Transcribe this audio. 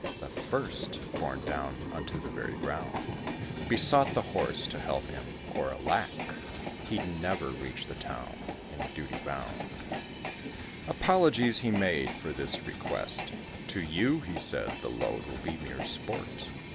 The first, borne down unto the very ground, Besought the Horse to help him, or, alack! He'd never reach the town. In duty bound, Apologies he made for this request: "To you," he said, "the load will be mere sport."